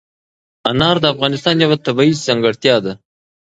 انار د افغانستان یوه طبیعي ځانګړتیا ده.